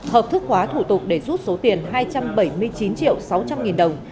hợp thức hóa thủ tục để rút số tiền hai trăm bảy mươi chín triệu sáu trăm linh nghìn đồng